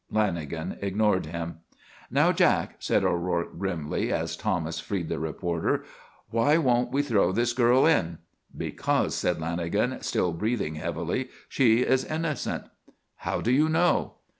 Lanagan ignored him. "Now, Jack," said O'Rourke, grimly, as Thomas freed the reporter. "Why won't we throw this girl in?" "Because," said Lanagan, still breathing heavily, "she is innocent." "How do you know?"